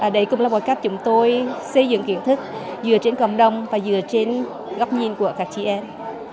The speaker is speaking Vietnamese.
đấy cũng là một cách chúng tôi xây dựng kiến thức dựa trên cộng đồng và dựa trên góc nhìn của các chị em